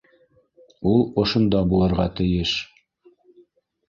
Ул ошонда булырға тейеш!